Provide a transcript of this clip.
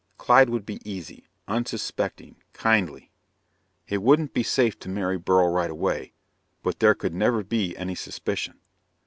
Clyde would be easy, unsuspecting, kindly. It wouldn't be safe to marry Beryl right away, but there could never be any suspicion.